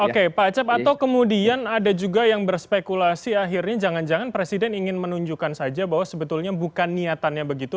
oke pak acep atau kemudian ada juga yang berspekulasi akhirnya jangan jangan presiden ingin menunjukkan saja bahwa sebetulnya bukan niatannya begitu